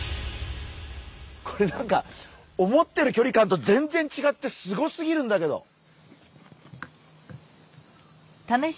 これなんか思ってる距離感と全然違ってすごすぎるんだけど。